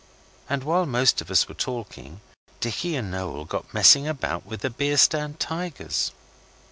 And while most of us were talking, Dicky and Noel got messing about with the beer stand tigers.